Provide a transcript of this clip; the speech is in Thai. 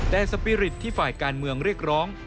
แต่สปีริตที่ฝ่ายการเมืองเรียกร้อง